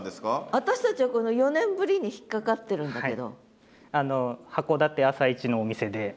私たちはこの「四年振り」に引っ掛かってるんだけど。